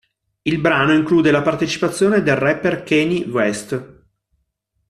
Il brano include la partecipazione del rapper Kanye West.